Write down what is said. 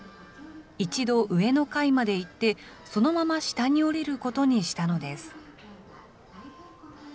一度、上の階まで行って、そのまま下に降りることにしたのです。